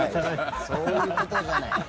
そういうことじゃない。